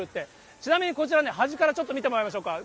ちなみにこちらね、端からちょっと見てもらいましょうか、